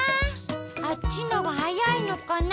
あっちのがはやいのかな。